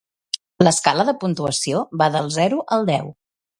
L'escala de puntuació va del zero al deu.